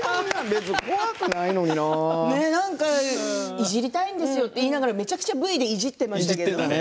いじりたいですと言いながら、めちゃくちゃＶでいじっていましたね。